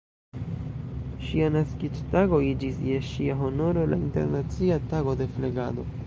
Ŝia naskiĝtago iĝis je ŝia honoro la Internacia tago de flegado.